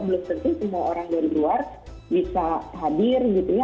belum tentu semua orang dari luar bisa hadir gitu ya